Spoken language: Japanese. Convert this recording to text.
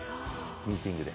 ミーティングで。